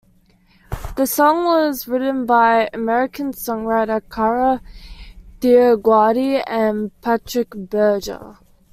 The song was written by American songwriter Kara DioGuardi and Patrik Berger.